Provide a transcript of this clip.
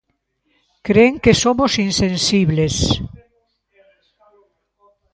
Creen que somos insensibles.